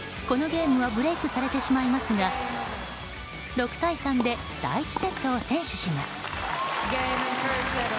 このゲームはブレークされてしまいますが６対３で第１セットを先取します。